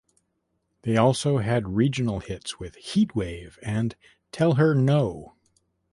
They also had regional hits with "Heat Wave" and "Tell Her No".